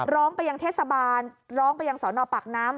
ร้องไปยังเทศบาลร้องไปยังสอนอปากน้ำ